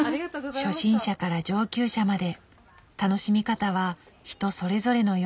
初心者から上級者まで楽しみ方は人それぞれのよう。